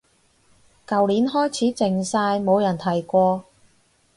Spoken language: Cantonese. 舊年開始靜晒冇人提過